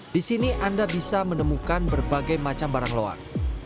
di sini anda bisa menemukan berbagai macam barang loan